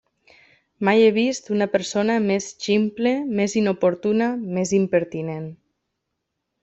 Mai he vist una persona més ximple, més inoportuna, més impertinent.